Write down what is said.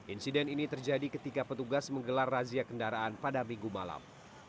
insiden ini terjadi ketika petugas menggelar razia kendaraan pada minggu malam